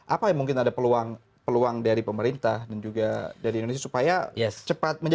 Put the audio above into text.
apa mungkin ada peluang dari pemerintah dan juga dari indonesia supaya cepat